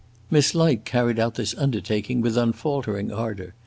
Miss Light carried out this undertaking with unfaltering ardor.